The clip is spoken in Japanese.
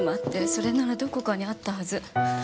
それならどこかにあったはず。